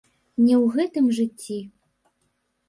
Не ў гэтым жыцці.